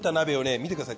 見てください。